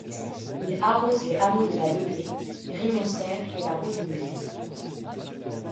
Il arrose les hameaux de La Levée, Grimonster et La Rouge-Minière.